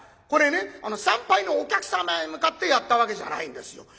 これね参拝のお客様へ向かってやったわけじゃないんですよ。